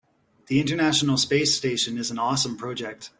The international space station is an awesome project.